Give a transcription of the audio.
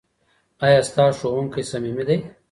ایا ستا ښوونکی صمیمي دی؟